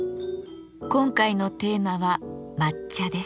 今回のテーマは「抹茶」です。